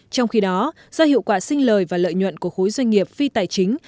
trong khi đó do hiệu quả sinh lời và lợi nhuận của khối doanh nghiệp phi tài chính